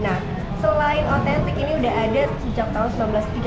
nah selain otentik ini sudah ada sejak tahun seribu sembilan ratus tiga puluh